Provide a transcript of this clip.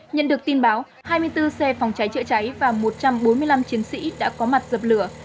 nhận được tin báo hai mươi bốn xe phòng cháy chữa cháy và một trăm bốn mươi năm chiến sĩ đã có mặt dập lửa